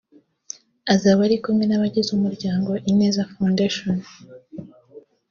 Azaba ari kumwe n’abagize umuryango ‘Ineza Foundation